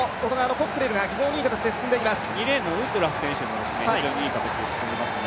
２レーンのウッドラフ選手も非常にいい形で進んでいますね。